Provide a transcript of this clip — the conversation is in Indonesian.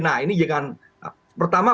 nah ini dengan pertama